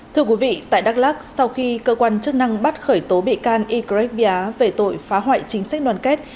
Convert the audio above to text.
thưa quý vị tại đắk lắc sau khi cơ quan chức năng bắt khởi tố bị can igrebia về tội phá hoại chính sách đoàn kết